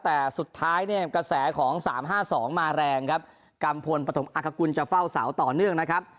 แต่สุดท้ายเนี่ยกระแสของสามห้าสองมาแรงครับกัมพลปฐมอักกุลจะเฝ้าเสาต่อเนื่องนะครับ